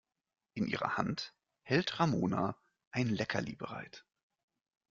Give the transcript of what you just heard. In ihrer Hand hält Ramona ein Leckerli bereit.